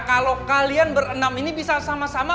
kalau kalian berenam ini bisa sama sama